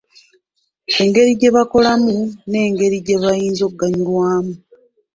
Engeri gye bakolamu n'engeri gye bayinza okubaganyulwamu.